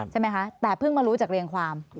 ใช่ไหมคะแต่เพิ่งมารู้จากเรียงความ